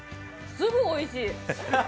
すごくおいしい？